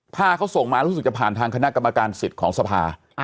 ถ้าเขาส่งมารู้สึกจะผ่านทางคณะกรรมการสิทธิ์ของสภา